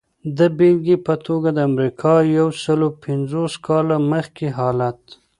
د بېلګې په توګه د امریکا یو سلو پنځوس کاله مخکې حالت.